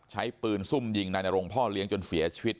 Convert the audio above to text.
ใช้ปืนซุ่มยิงนายนรงพ่อเลี้ยงจนเสียชีวิต